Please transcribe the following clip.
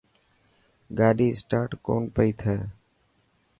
گاڏي اسٽاٽ ڪون پئي ٿي.